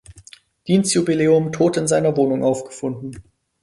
Dienstjubiläum tot in seiner Wohnung aufgefunden.